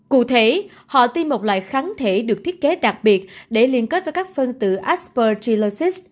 cụ thể họ tìm một loại kháng thể được thiết kế đặc biệt để liên kết với các phân tự aspergillosis